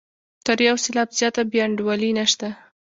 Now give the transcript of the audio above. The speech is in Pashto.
تر یو سېلاب زیاته بې انډولي نشته.